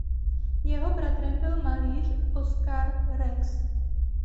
Jeho bratrem byl malíř Oscar Rex.